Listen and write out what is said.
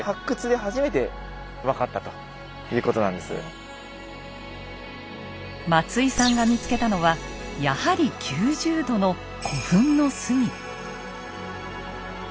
だからね松井さんが見つけたのはやはり９０度の古墳の隅。